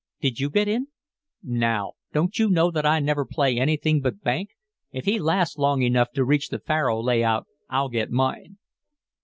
"Did you get in?" "Now, don't you know that I never play anything but 'bank'? If he lasts long enough to reach the faro lay out, I'll get mine."